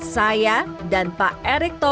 saya dan pak erick thohir menerima alasan